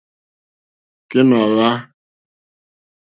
Kémà hwǎ.